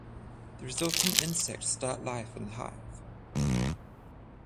The resultant insects start life in The Hive.